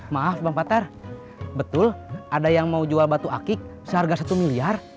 maaf bang patter betul ada yang mau jual batu akik seharga satu miliar